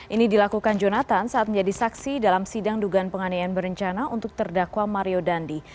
ini dilakukan jonathan saat menjadi saksi dalam sidang dugaan penganiayaan berencana untuk terdakwa mario dandi